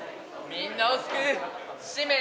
みんなを救う使命」。